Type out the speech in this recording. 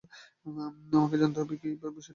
আমাকে জানতে হবে সে কীভাবে কাজটা করেছে।